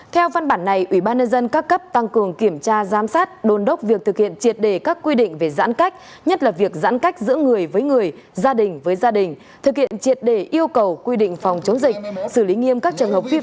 theo văn bản này ủy ban nhân dân các cấp tăng cường kiểm tra giám sát đồn đốc việc thực hiện triệt đề các quy định về giãn cách nhất là việc giãn cách giữa người với người gia đình với gia đình thực hiện triệt đề yêu cầu quy định phòng chống dịch xử lý nghiêm các trường hợp vi phạm